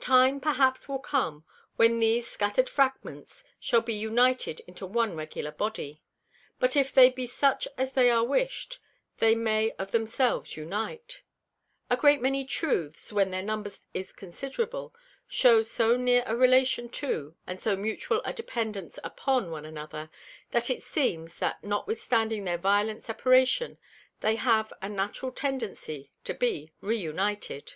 Time perhaps will come, when these scatter'd Fragments shall be united into one regular Body; and if they be such as they are wish'd, they may of themselves Unite. A great many Truths, when their Numbers is considerable, shew so near a Relation to, and so mutual a Dependance upon one another, that it seems, that notwithstanding their violent Separation, they have a natural Tendency to be re united.